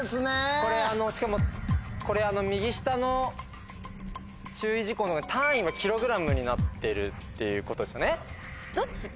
これあのしかも右下の注意事項の単位はｋｇになってるっていうことですよね。